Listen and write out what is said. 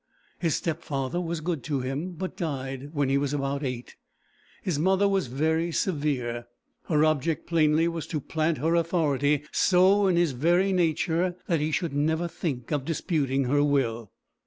His stepfather was good to him, but died when he was about eight. His mother was very severe. Her object plainly was to plant her authority so in his very nature, that he should never think of disputing her will.